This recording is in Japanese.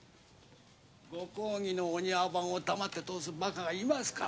御公儀のお庭番を黙って通すバカがいますか。